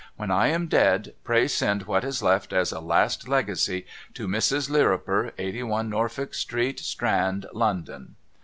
When I am dead, pray send what is left, as a last Legacy, to Mrs. Lirriper Eighty one Norfolk Street Strand London.'